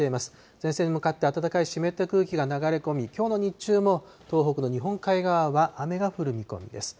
前線に向かって暖かく湿った空気が流れ込み、きょうの日中も東北の日本海側は雨が降る見込みです。